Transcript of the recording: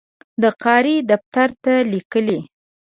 د قاهرې دفتر ته لیکي.